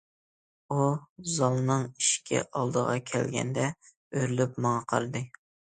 ئۇ زالنىڭ ئىشىكى ئالدىغا كەلگەندە ئۆرۈلۈپ ماڭا قارىدى.